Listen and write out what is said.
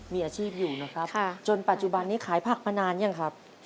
มีอาชีพอยู่นะครับจนปัจจุบันนี้ขายผักมานานยังครับ